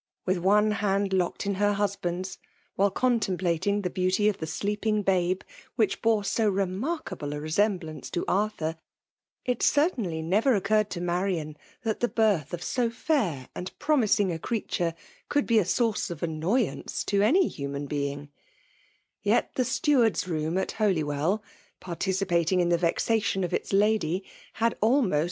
With one hand locked in her husband's, while contem plating the beauty of the sleeping babc^ whicji bore so remarkable a resemblance to Arthur, it certainly never occurred to Marian that tiie birth of so fair and promising a creature could be a source of annoyance to any humfin being* Yet the steward's room at Holywell, partici pating in the vexation of its lady, had almest FEMAtE DOMINATION.